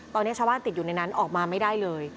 ตอนนี้ชาวบ้านติดอยู่ในนั้นออกมาไม่ได้เลย